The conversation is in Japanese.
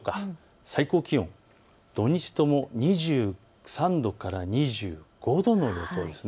最高気温、土日とも２３度から２５度の予想です。